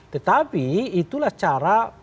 tetapi itulah cara